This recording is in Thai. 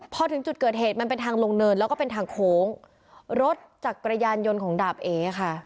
พอถึงจุดเกิดเหตุมันเป็นทางลงเนินแล้วก็เป็นทางโค้งรถจักรยานยนต์ของดาบเอค่ะ